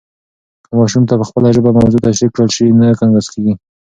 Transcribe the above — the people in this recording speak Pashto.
که ماشوم ته په خپله ژبه موضوع تشریح کړل سي، نه ګنګس کېږي.